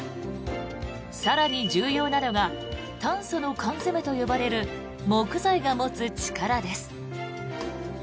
更に重要なのが炭素の缶詰と呼ばれる木材が持つ力です。